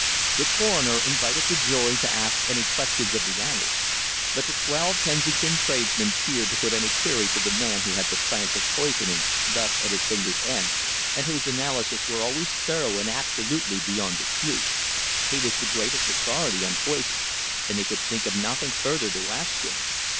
The Coroner invited the jury to ask any questions of the analyst, but the twelve Kensington tradesmen feared to put any query to the man who had the science of poisoning thus at his fingers' ends, and whose analyses were always thorough and absolutely beyond dispute. He was the greatest authority on poisons, and they could think of nothing further to ask him.